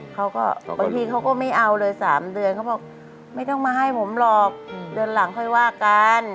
บางทีเขาก็ไม่เอาเลย๓เดือนเขาบอกไม่ต้องมาให้ผมหรอกเดือนหลังค่อยว่ากัน